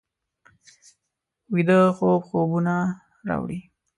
ویده خوب خوبونه راوړي